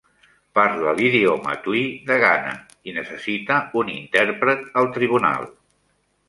Parla l'idioma twi de Ghana i necessita un intèrpret al tribunal.